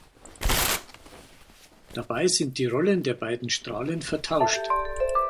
Dabei sind die Rollen der beiden Strahlen vertauscht.